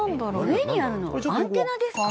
上にあるのアンテナですか？